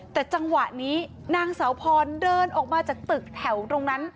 แต่จังหวะนี้นางสาวพรเดินออกมาจากตึกแถวตรงนั้น